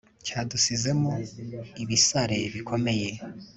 cyadusizemo ibisare bikomeye